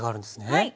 はい。